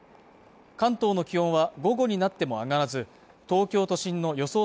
関東の気温は午後になっても上がらず東京都心の予想